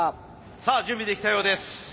さあ準備できたようです。